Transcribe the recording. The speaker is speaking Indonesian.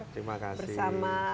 terima kasih bersama